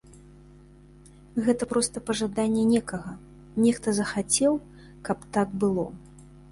Гэта проста пажаданне некага, нехта захацеў, каб так было.